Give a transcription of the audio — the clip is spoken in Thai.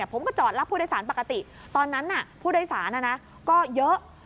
ผมก็จอดรับผู้โดยสารปกติตอนนั้นผู้โดยสารก็เยอะ